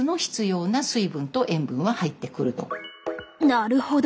なるほど。